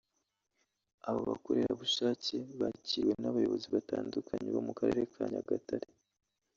aba bakorerabushake bakiriwe n’abayobozi batandukanye bo mu Karere ka Nyagatare